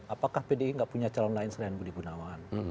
apakah pde gak punya calon lain selain budi gunawan